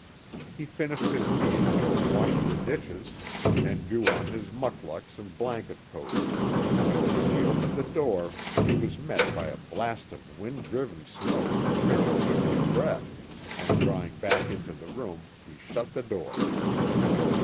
He finished his meal, washed the dishes, and drew on his mukluks and blanket coat. As he opened the door he was met by a blast of wind driven snow that fairly took his breath, and drawing back into the room he shut the door.